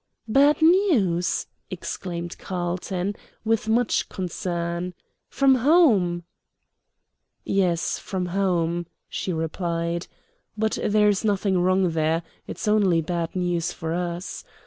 "Bad news!" exclaimed Carlton, with much concern. "From home?" "Yes, from home," she replied; "but there is nothing wrong there; it is only bad news for us.